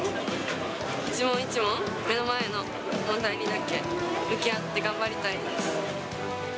１問１問、目の前の問題にだけ向き合って頑張りたいです。